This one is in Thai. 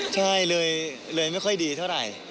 ใช่เลยไม่ค่อยดีเท่าไหร่